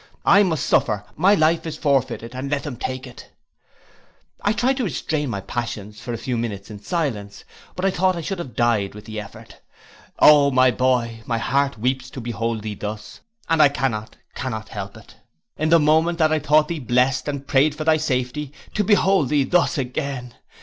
'I must suffer, my life is forfeited, and let them take it.' I tried to restrain my passions for a few minutes in silence, but I thought I should have died with the effort—'O my boy, my heart weeps to behold thee thus, and I cannot, cannot help it. In the moment that I thought thee blest, and prayed for thy safety, to behold thee thus again!